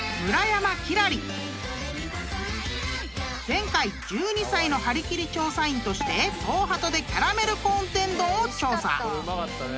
［前回１２歳のはりきり調査員として東ハトでキャラメルコーン天丼を調査］